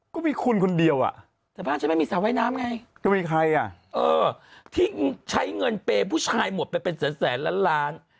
ก็มีคุณคนเดียวอ่ะแต่บ้านฉันไม่มีสระว่ายน้ำไงจะมีใครอ่ะเออที่ใช้เงินเปย์ผู้ชายหมดไปเป็นแสนแสนล้านล้าน